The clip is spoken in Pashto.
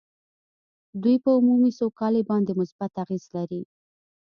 دوی په عمومي سوکالۍ باندې مثبت اغېز لري